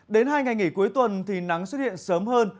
đến hai ngày nghỉ cuối tuần thì nắng xuất hiện sớm hơn